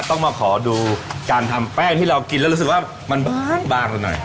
ต้องมาขอดูการทำแป้งที่เรากินแล้วรู้สึกว่ามันบางเราหน่อย